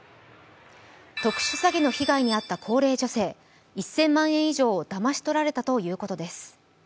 特殊詐欺の被害に遭った高齢女性、１０００万円以上をだまし取られたということです。